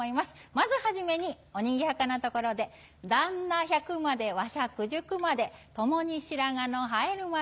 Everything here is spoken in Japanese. まず始めにおにぎやかなところで「旦那百までわしゃ九十九まで共に白髪の生えるまで」。